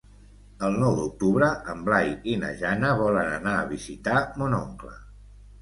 El nou d'octubre en Blai i na Jana volen anar a visitar mon oncle.